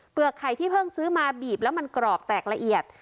ไข่ที่เพิ่งซื้อมาบีบแล้วมันกรอบแตกละเอียด